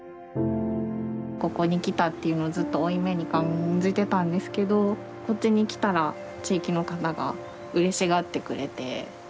ここに来たっていうのをずっと負い目に感じてたんですけどこっちに来たら地域の方がうれしがってくれて。